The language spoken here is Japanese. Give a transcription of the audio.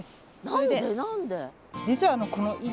何で？